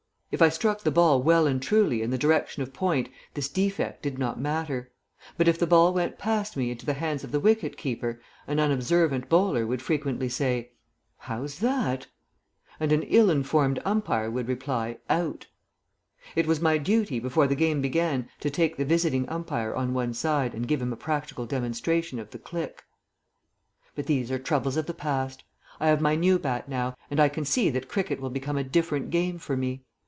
If I struck the ball well and truly in the direction of point this defect did not matter; but if the ball went past me into the hands of the wicket keeper, an unobservant bowler would frequently say, "How's that?" And an ill informed umpire would reply, "Out." It was my duty before the game began to take the visiting umpire on one side and give him a practical demonstration of the click ... But these are troubles of the past. I have my new bat now, and I can see that cricket will become a different game for me.